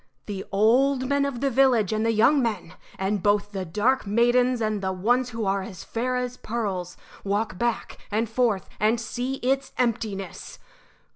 The old men of the village and the young men, and both the dark maidens and the ones who are as fair as pearls walk back and forth and see its emptiness.